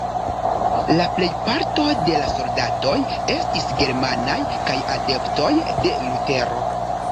La plejparto de la soldatoj estis germanaj kaj adeptoj de Lutero.